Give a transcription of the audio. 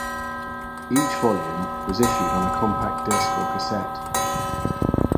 Each volume was issued on a compact disc or cassette.